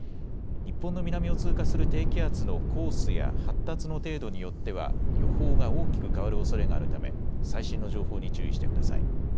日本の南を通過する低気圧のコースや発達の程度によっては、予報が大きく変わるおそれがあるため、最新の情報に注意してください。